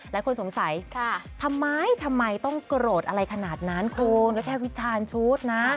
แล้วคนสงสัยทำไมต้องโกรธอะไรขนาดนั้นคุณก็แค่วิจารณ์ชุดนะ